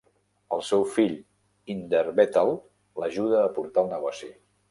El seu fill Inderbethal l"ajuda a portar el negoci.